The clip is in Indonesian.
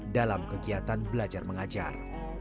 dalam kegiatan belajar mengajar